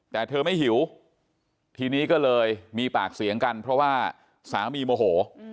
แต่เธอไม่หิวทีนี้ก็เลยมีปากเสียงกันเพราะว่าสามีโมโห